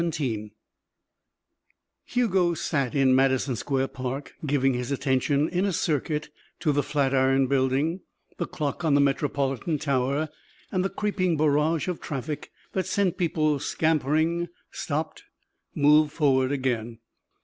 XVII Hugo sat in Madison Square Park giving his attention in a circuit to the Flatiron Building, the clock on the Metropolitan Tower, and the creeping barrage of traffic that sent people scampering, stopped, moved forward again.